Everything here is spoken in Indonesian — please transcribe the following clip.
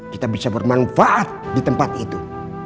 kita bisa bermanfaat di tempat itu